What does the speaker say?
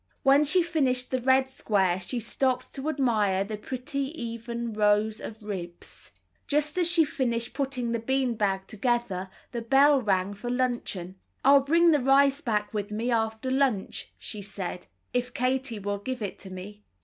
When she finished the red square she stopped to admire the pretty even rows of ribs. Just as she finished put ting the bean bag together, the bell rang for luncheon. "I'll bring the rice back with me after lunch," she said, '^if Katie will give it to me."